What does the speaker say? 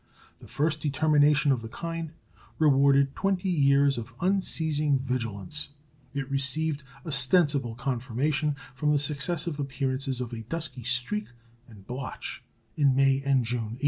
The first determination of the kind rewarded twenty years of unceasing vigilance. It received ostensible confirmation from the successive appearances of a dusky streak and blotch in May and June, 1801.